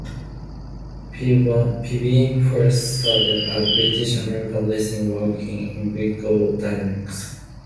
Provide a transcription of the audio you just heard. Pilbeam first started at British American Racing working in Vehicle Dynamics.